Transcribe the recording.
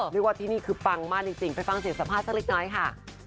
เรียกว่าที่นี่คือปังมากจริงไปฟังเสียงสัมภาษณ์สักเล็กน้อยค่ะ